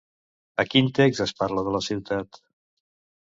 A quin text es parla de la ciutat?